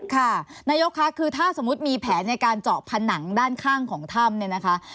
ค่ะนายกค่ะคือถ้าสมมุติมีแผนในการเจาะผนังด้านข้างของถ้ำเนี่ยนะคะ